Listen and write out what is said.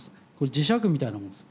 磁石みたいなものです。